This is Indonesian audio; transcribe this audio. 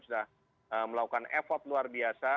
sudah melakukan effort luar biasa